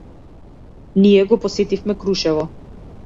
Ние го посетивме Крушево.